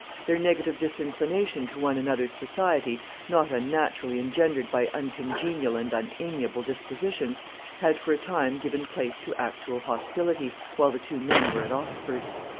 Their negative disinclination to one another's society, not unnaturally engendered by uncongenial and unamiable dispositions, had for a time given place to actual hostility, while the two young men were at Oxford.